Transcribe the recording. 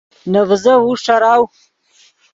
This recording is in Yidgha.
نے ڤیزف اوݰ ݯراؤ